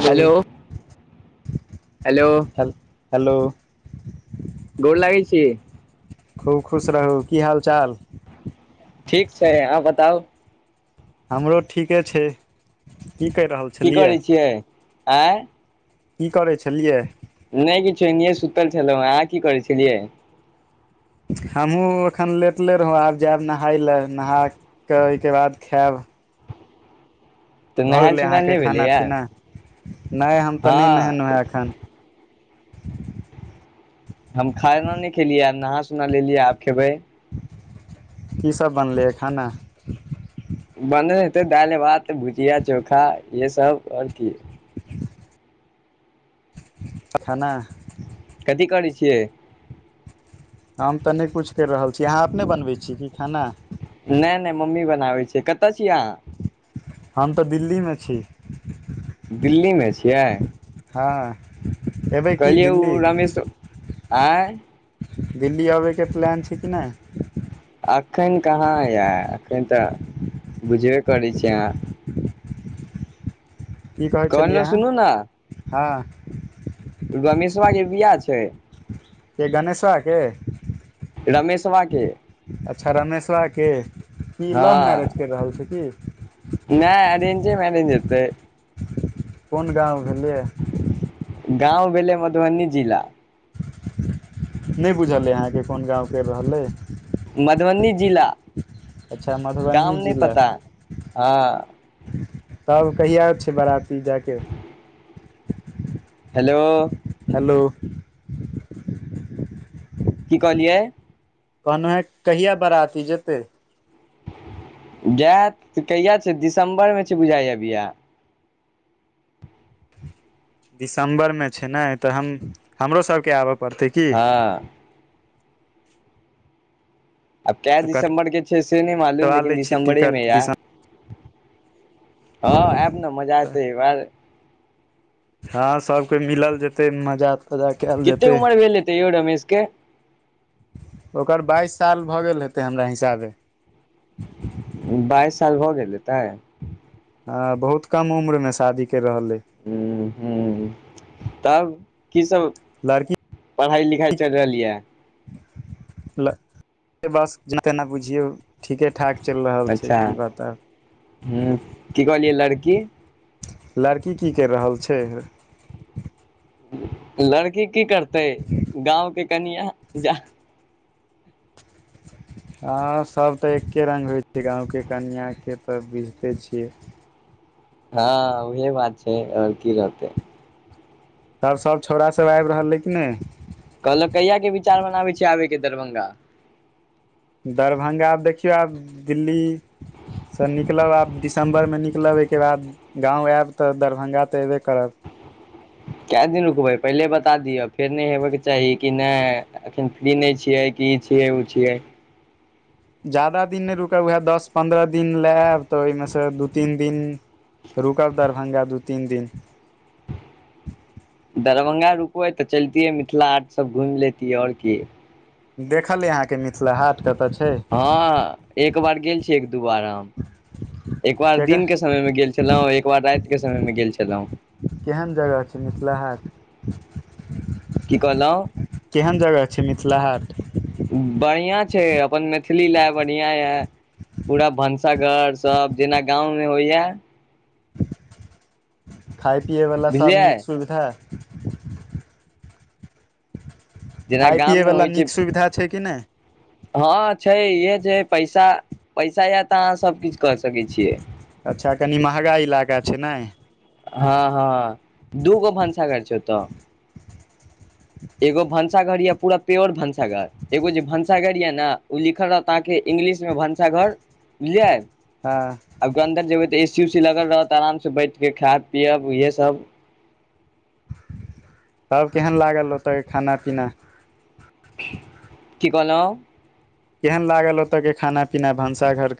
hello hello ह hello गोर लागै छी खूब खुश रहू की हाल चाल ठीक छै अहाँ बताउ हमरो ठीके छै की करि रहल छलियै आंय की करै छेलियै नहि किछो एनिए सुतल छलहु अहाँ की करै छेलियै हमहूँ एखन लेटले रहौ आब जायब नहाय लए नहा कऽ ओहिके बाद खाएब तऽ नहायल सोनायल अहाँके नहि खाना भेलैए पीना नहि हम तऽ नहि नहेेलौं हें हँ एखन हम खाना नहि खेलियै नहा सोना लेलियै आब खेबै की सभ बनलैए खाना बनल हेतै दाईल भात भुजिया चोखा इहे सभ आओर की खाना कथी करैय छियै हम तऽ नहि कुछ करि रहल छी अहाँ अपने बनबै छी की खाना नहि नहि मम्मी बनाबै छै कतऽ छीयै अहाँ हम तऽ दिल्ली मे छी दिल्ली मे छियै हँ एबै की कहलियै ओ दिल्ली रमेश आँ दिल्ली अबयके प्लान छै कि नहि एखन कहाँ यए एखन तऽ बुझबे करै छी अहाँ की कहै कहलहु छलियै सुनू ने अहाँ हँ रमेशवा के बियाह छै के गणेशावा के रमेश वा के अच्छा रामेशबाके की हँ लव मैरेज करि रहल छै की नहि अरेंजेमेरें मैरिज हेतय कोन गाँव भेलियै गाँव भेलै मधुबनी जिला नहि बुझल अइ अहाँके कोन गाँवके रहलै मधुबनी जिला अच्छा गाम मधुबनी नहि जिला पता हँ तब कहिया छीयै बराती जा कऽ हेलो हेलो की कहलियै कहनो हैं कहिआ बड़ती जेते गाय कहिआा छै दिसम्बरमे छै बुझाइा अभय दिसम्बरमे छै ने तऽ हम हमरो सभके आबय पड़तै की हँ अब क्य तऽ दिसंबर के छे से नहि मालूम कटवा लेकिन लै छी दिसम्बरे में टिकट यार दिसम्बर हँ आब ने मजा आत ह बार हँ सभके मिलल जेतै मजा तजा कयल जेतै कितेक उमरि भेल ले तै रमेशके ओकर बाइस साल भऽ गेल हेतै हमरा हिसाबे बाइस साल भ गेल तै अ बहुत कम उम्र मे शादी कर रहल अइ हूँ हूँ तब की सब लड़की पढ़ाइ लिखाइ चलि रहल यऽ बस जेना तेना बुझियौ ठीकेठाक चलि रहल छै अच्छा की बात ह कहलियै लड़की की लड़की की करि रहल छै लड़की की करतै गाँवके कनिआ जा ह हँ सभ तऽ एक्के रङ्ग होइ छै गाँवके कनिआँके तऽ बीझिते छियै हँ उहे बात छै आओर की रहतै तब सब छौड़ सब आबि रहल है कि नहि कहलक कहिय के विचार मनाबै छै आबेके दरभंगा दरभंगा देखियौ आब दिल्ली स निकलब आब दिसम्बरमे निकलब एहिहिके बाद गाँव आयब तऽ दरभंगा तऽ अयबे करब कए दिन रुकबै पहिले बता दिअ फेर नहि हेबयके चाही कि नहि एखन फ्री नहि छियै की छियै ओ छियै ज्याददा दिन नहि रुकै उएह दस पन्द्रह दिन लेब तऽ ओहिमे से दू तीन दिन रुकल दरभंगा दू तीन दिन दरभंगा रुकबै तऽ चलतियै मिथिला हाट सब घुमि लेतियै आओर की देखल य अहाँके मिथिला हाट कतऽ छै हँ एक बार गेल छियै एक दू बार हम एक बार केकर दिनके समयमे गेल छलहुँ एक बार रातिके समयमे गेल छलहुँ केहन जगह छै मिथिला हाट की कहलहु केहन जगह छै मिथिला हाट बढ़िआ छै अपन मैथिली लए बढ़िआं यऽ पूरा भनसाघर सब जेना गाँवमे होइए खाय पियै वला सभ बुझलियै नीक सुविधा जेना खाय गाम पियै मे वला होइ छै नीक सुविधा छै कि नहि हँ छै इहे छै पैसा पैसा य त अहाँ सबकछु अच्छा कनि महगा इलाका छै ने हँ हँ दू गो भनसा घर छै ओतऽ एगो भंस घर यऽ पूरा प्योर भनसाघर एगो जे भनसाघर ये न ओ लिखल रहता है कि इंग्लिश मे भनसा घर ले आऐब हँ अब अन्दर जेबै तऽ ऐ सी पसी उसी लगल रहत आराम से बैठ के खायब पियअब इहे सब तब केहन लागल ओत के खाना पीना की कहलहुँ केहन लागल ओतय के खाना पीना भनसा घर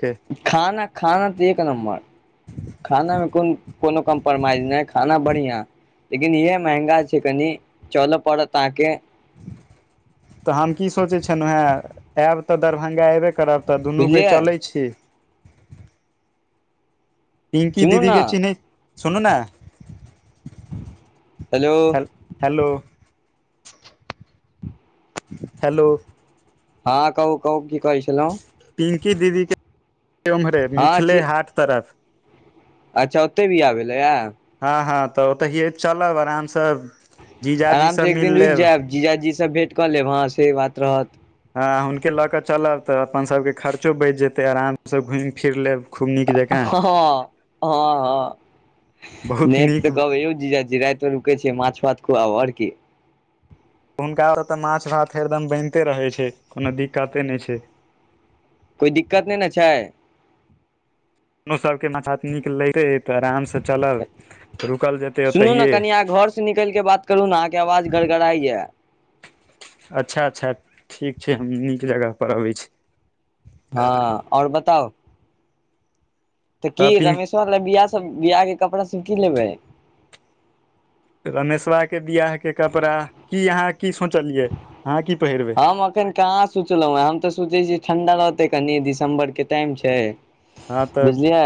खाना खाना तऽ एक नम्बर खानामे कोन कोनो कम्प्रोमाइज नहि खाना बढ़िआं लेकिन इह महंगा छै कनि च ल पड़त अहाँके तऽ हम की सोचै छलहु हेँ आयब तऽ दरभंगा एबे करब तऽ दुनू के बुझलियै चलै छी पिंकी सुनू दीदी ने के चिनेहे सुनू ने हेलो हेल हेलो हेलो हँ कहू कहू कि कहै छलहु पिंकी दीदीके ओम्हरे हँ मिथिले छी हाट तरफ अच्छा ओते बिहा भेलइ या हँ हँ तऽ ओतऽ है चलब आराम से जीजाजी स मिल लेब सब भेंट कऽ लेब हँ से बात रहत हा हुनके लऽ कऽ चलब तऽ अपन सबके खर्चो बचि जेतै आराम सँ घुमि फिर लेब खूब नीक जकाँ हँ ह हँ नहि बहुत हेते तऽ नीक कह बइ यो जीजा जी रएत भर रुकै छि माछ भात खुआब और की हुनका ओ तऽ माछ भात एकरदम बनिते रहै छै कोनो दिक्कते नहि छै कोइ दिक्कत नहि नहि ने छै को सबके माथा निक ल [unintelligible] तऽ आराम सँ चलब रुकल जेतै सुनू ओतहि ने ये कनि अहाँ गढ़इया अच्छा अच्छा ठीक छै हम नीक जगहपर अबै छी हँ ओर बताउ तऽ की रमेश्वर ले बियाहसभ बियाहके कपड़ासभ की लेबै रमेशवा के बियाह के कपड़ा की यहाँ हम एखन कहाँ सोचलहुँ हेँ हम तऽ सोचै छी ठंडा रह ते कनि दिसम्बर के टाइम छै हँ तऽ बुझलियै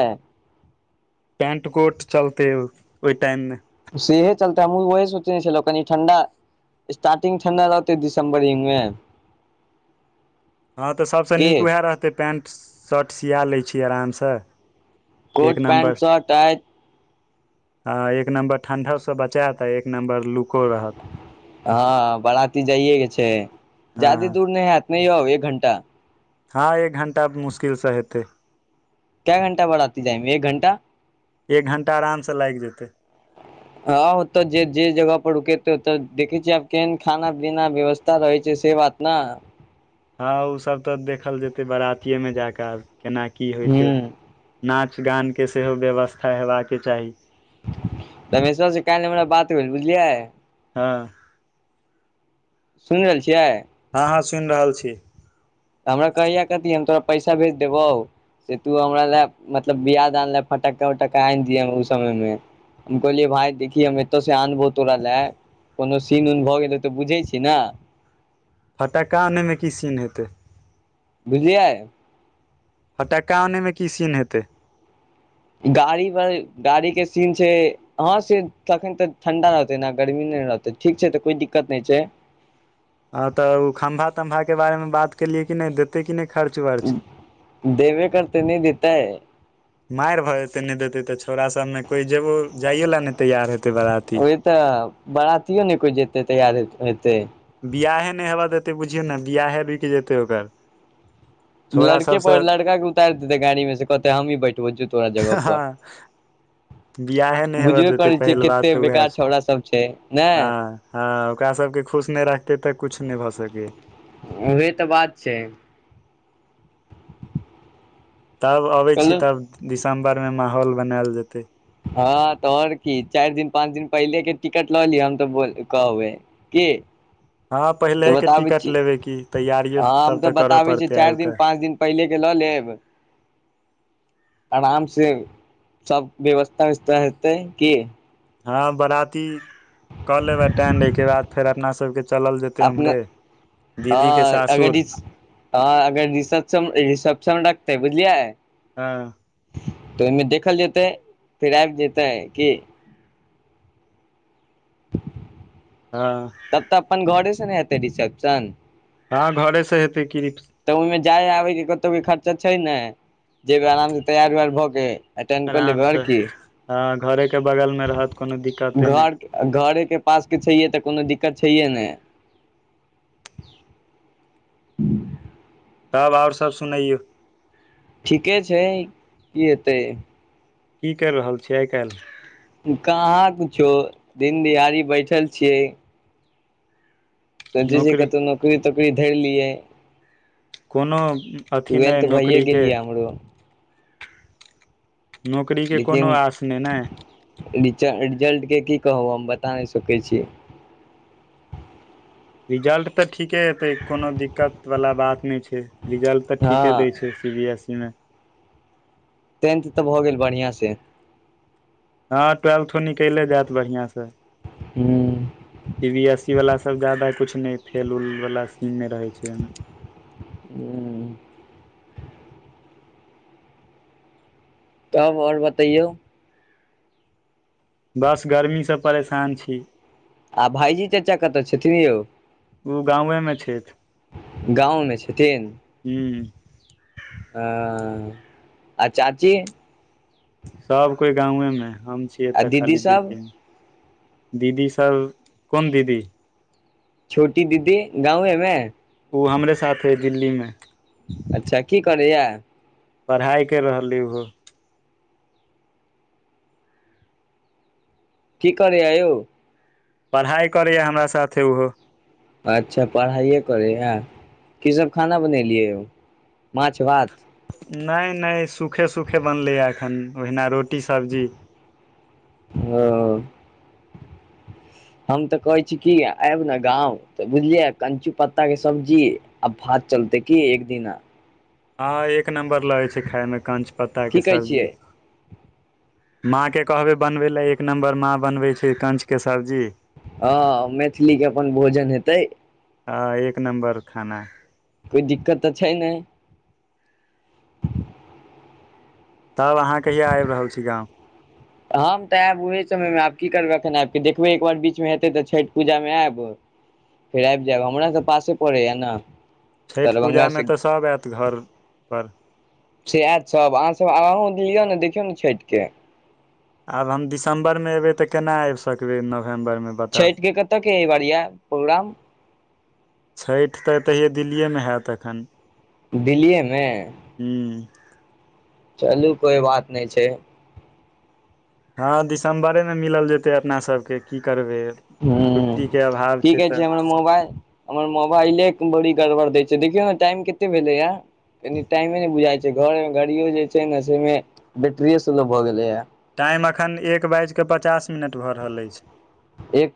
पेंट कोट चलते ओहि टाइम मे सेहे चलतेै हम हु वोहे सोचेने छलहु कनि ठण्डा स्टार्टिंग ठण्डा रहतेै दिसम्बर हे मे [inaudible] हँ तऽ सभसँ की नीक उएह रहतै पैंट शर्ट सिया लै छीै आरामसँ कोट पैंट शर्ट अए ह एक नम्बर ठण्डासँ बचेत एक नम्बर लुको रहत हँ बराति जाइए केँ छैक हँ जादे दूर नहि हैयत ने यौ घण्टा हँ एक घण्टा मुश्किलसँ हेतय के घंटा बढ़ती जाइमे एक घंटा एक घण्टा आरामसँ लागि जेतै हँ ओतऽ जे जे जगह पर रुकते ओतऽ देखे छियै आब केहन खाना पीना व्यवस्था रहय छै से बात न हँ ओसभ तऽ देखल जेतय बरातीएमे जा कऽ आब केना की होइत छैक हूँ नाच गान केँ सेहो व्यवस्था हेबाक केँ चाही तमेश क नहि मरा बात हो बुझलियै [unintelligible] हँ सुनि रहल छियै हँ हँ सुनि रहल छी तऽ हमरा कहहिय कथी हम तोरा पैसा भेज देबौ से तू हमरा लए मतलब बआ दनल फटक्का उटक्का आनि दिय ओ समय मे हम कहोलियए भाय देखिहि हममे एतो सँ अनबौ तोरा लय कोनो सीन उन भऽ गेलै तऽ बुझै छी ने फट्का आनयमे कि सीन हेतय बुझलिए फटक्का आनमे की सीन हेतय गाड़ी पर गाड़ी केँ सीन छैक अह से तखन तऽ ठंडा रहते ने गर्मी मे रहतै ठीक छै तऽ कोइ दिक्कत नहि छैक ह तऽ ओ खम्भा तम्भा केँ बारे मे बात केलियै कि नहि देते कि नहि खर्च वर्च देबे करते नहि देतय मारि भऽ जेतय नहि देतय तऽ छोड़ा सबमे कोइ जेबो जाइयो लए ने ओह तऽ बरातियो ने कोइ जाय ल तैयार हेतय बिआाहे नहि हेवा देतै बुझियौ ने बियाहे रूक जेतय ओकर छौड़ा लड़केँ सबसँ पर लड़काे उतारि देतै गाड़ी मे से कहते हमही बैठबो छौ तोरा जगह पर बिआहे नहि हेबय बुझबे देते करै छियै पहिल बात कते तऽ उएह बेकार छैक छौड़ा सब छै नहि हँ ओकरा सबकेँ खुश नहि रखते तऽ कछु नहि भऽ सकैत अछि ओहे तऽ बात छैक तब अबै छी तब दिसम्बर मे माहौल बनायल जेतै हँ तऽ आओर की चारि दिन पाँच दिन पहिले के टिकट लऽ ली हम तऽो कहबै क हँ तऽ पहिलेके बताबय टिकट छी लेबै की तैयारियो ह हम सब तऽ करऽ बताबय छी पड़तै चारि आबि दिन कऽ पाँच दिन पहिले केँ लऽ लेब आराम से सब व्यवस्था वस्था हेतय कि हँ बराती कऽ लेब अटेंड एहिकेँ बाद फेर अपना सबकेँ ल जेतै अपना हमरे हँ अगर ह रिसेप्शन रखतै बुझलियै हँ तऽ ओहिमे देखल जेतय फेर आबि जेतय कि हँ तब तऽ अपन घरे से ने हेतै रिसेप्शन हँ घरेसँ हेतय कि तऽ ओहिमे जाय आबय केँ कतहु भी खर्चा छैक ने जेब आराम से तैयार उयार भऽ केँ एटेंड कय आराम लेबय आर से कि हँ घरे के बगल मे रहत कोनो दिक्कते नहि घर घरे केँ पास कि छैहे तऽ कोनो दिक्कत क छैहे ने तब आओर सब सुनैयौ ठीके छै की हेतै की करि रहल छी आइ काल्हि कहाँ कुछो दिन दिहाड़ी बैठल छियै सोंचै छिये कतहु नौकरी तोकरी धैर लीयै कोनो अथी नहि टुवेल्थ भैए नौकरी के गेल ये हमरो नौकरी के कोनो लेकिन आस नहि ने रीचा री [unintelligible] जल्ट केँ की कहू हम बता नहि सकैत छी रिजल्ट तऽ ठीके हेतै कोनो दिक्कत वला बात नहि छै रिजल्ट तऽ ठीके दै हँ छै सी बी एस ई मे टेंथ तऽ भऽ गेल बढ़ियांसँ हँ ट्वेल्थ थो निकैले जाएत बढ़ियां सँ हूँ सी बी एस ई वाला सभ जादा कुछ ने फेल उल वला सीन नहि रहै छै एहिमे उंम्म [inaudible] तब आओर बतैयौ बस गर्मीसँ परेशान छी आ भाईजी चाचा कतऽ छथिन यौ ओ गाँव मे छथि गाँव मे छथिन हूँ ओ आ चाची सभ कोइ गाँवेमे हे हम छी आ एतय दीदी खाली सब दिल्लीमे दीदी सब कोन दीदी छोटी दीदी गाँवे मे ओ हमरे साथ हइ दिल्लीमे अच्छा की करैया पढ़ाइ करि रहलै उहो की करै ये यौ पढ़ाइ करैए हमरा साथे ओहो अच्छा पढ़ाइए करै हे कीसभ खाना बनेलियै यौ माछ भात नहि नहि सुखे सुखे बनलैए एखन ओहिना रोटी सब्जी हँ हम तऽ कहै छी की आयब न गाँंव तऽ बुझलियै कंचू पत्ता के सब्जी आ भात चलतै की एक दिना हँ एक नंबर लगै छै खायमे कंच की पत्ताके कहै छियै सब्जी माँ के कहबै बनबे लए एक नम्बर माँ बनबैत छै कंच के सब्जी हँ मैथिलीके अपन भोजन हेतै आ एक नम्बर खाना कोइ दिक्कत तऽ छै नहि तब अहाँ कहिया आबि रहल छी गाँव हम तऽ आयब ओही समयमे आब की करबै एखन आबि कऽ देखबै एक बार बीचमे हेतै तऽ छठि पूजामे आयब फेर आबि जायब हमरा तऽ पासे पड़ैय ने छठि दरभंगा पूजामे से तऽ सभ आयत घर पर से एत सभ अहाँसभ आनंद लियौ ने देखियौ ने छठिके आब हम दिसम्बरमे एबै तऽ केना आबि सकबै एहिमे छठिके कतयके एहि बार ये प्रोग्राम छठि तऽ एतहिए दिल्लीएमे हेत एखन दिल्लीएमे हूँ चलू कोइ बात नहि छै हँ दिसम्बरे मे मिलल जेतै अपना सभकेँ की करबै हु छुट्टीके अभाव ठीके छै तऽ हमर मोबाल हमर मोबाइले बड़ी गड़बड़ दै छै देखियौ ने टाइम कते भेलैया कनी टाइमे नहि बुझाई छै घर मे गर्मी में जे छै ने से ओही में विफ्रेश भऽ गेलै या टाइम एखन एक बाजि कऽ पचास मिनट भऽ रहल अछि एक